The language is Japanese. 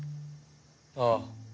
ああ。